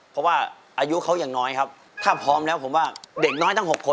ก็รู้เขาอย่างน้อยครับถ้าพร้อมแล้วผมว่าเด็กน้อยตั้ง๖คน